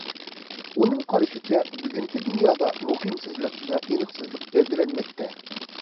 ئۇنىڭ قارىشىچە، بۈگۈنكى دۇنيادا مۇقىمسىزلىق ۋە ئېنىقسىزلىق گەۋدىلەنمەكتە.